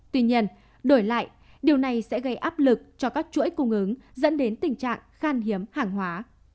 tuy nhiên đổi lại điều này sẽ gây áp lực cho các chuỗi cung ứng dẫn đến tình trạng khan hiếm hàng hóa